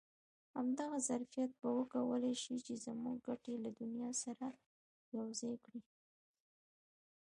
همدغه ظرفیت به وکولای شي چې زموږ ګټې له دنیا سره یو ځای کړي.